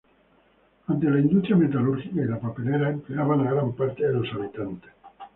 Antes la industria metalúrgica y la papelera empleaban a gran parte de los habitantes.